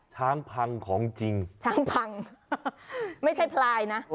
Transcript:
ช้างพังของจริงช้างพังไม่ใช่พลายนะ